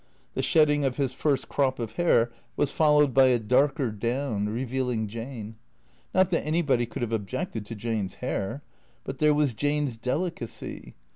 The shedding of his first crop of hair was followed by a darker down, revealing Jane. Not that anybody could have objected to Jane's hair. But there was Jane's deli cacy.